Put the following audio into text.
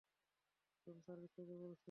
Room service থেকে বলছি।